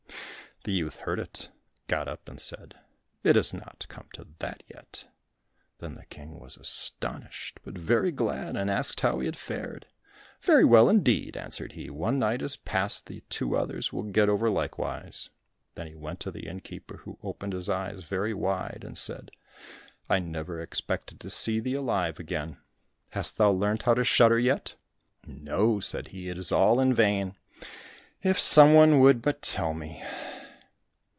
The youth heard it, got up, and said, "It has not come to that yet." Then the King was astonished, but very glad, and asked how he had fared. "Very well indeed," answered he; "one night is past, the two others will get over likewise." Then he went to the innkeeper, who opened his eyes very wide, and said, "I never expected to see thee alive again! Hast thou learnt how to shudder yet?" "No," said he, "it is all in vain. If some one would but tell me."